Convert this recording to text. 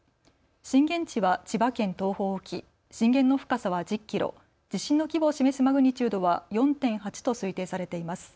震源地は千葉県東方沖、震源の深さは１０キロ、地震の規模を示すマグニチュードは４．８と推定されています。